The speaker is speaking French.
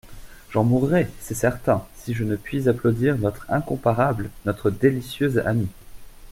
J'en mourrai, c'est certain, si je ne puis applaudir notre incomparable, notre délicieuse amie.